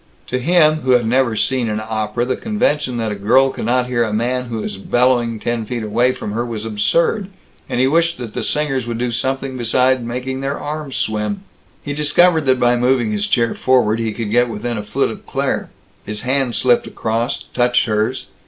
To him, who had never seen an opera, the convention that a girl cannot hear a man who is bellowing ten feet away from her, was absurd; and he wished that the singers would do something besides making their arms swim. He discovered that by moving his chair forward, he could get within a foot of Claire. His hand slipped across, touched hers.